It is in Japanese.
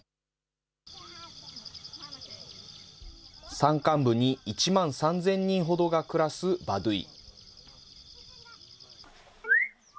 山間部に１万３０００人ほどが暮らすバドゥイ。